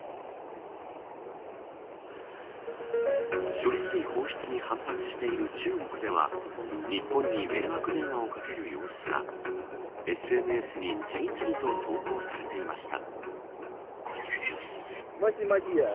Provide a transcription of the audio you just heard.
処理水放出に反発している中国では日本に迷惑電話をかける様子がＳＮＳに次々と投稿されていました。